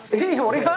俺が？